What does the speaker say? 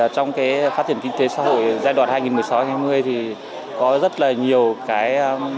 trong cái phát triển kinh tế xã hội giai đoạn hai nghìn một mươi sáu hai nghìn hai mươi thì có rất là nhiều cái